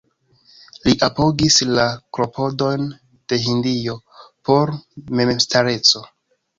Li apogis la klopodojn de Hindio por memstareco.